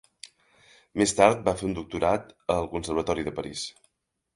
Més tard va fer un doctorat al Conservatori de París.